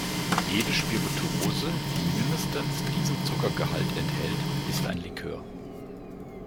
Jede Spirituose, die mindestens diesen Zuckergehalt enthält, ist ein Likör.